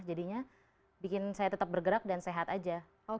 jadinya bikin saya tetap bergerak dan sehat aja